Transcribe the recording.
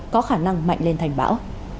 có khả năng mạnh lên thành bão